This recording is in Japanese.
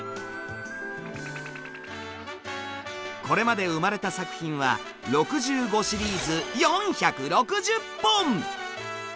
これまで生まれた作品は６５シリーズ４６０本！